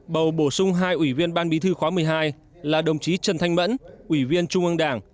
bầu bổ sung hai ủy viên ban bí thư khóa một mươi hai là đồng chí trần thanh mẫn ủy viên trung ương đảng